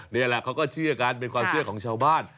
นี่แหละเขาก็เชื่อกันเป็นความเชื่อของชาวบ้าน